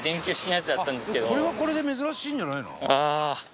「これはこれで珍しいんじゃないの？」